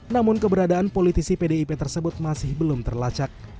namun keberadaan politisi pdip tersebut masih belum terlacak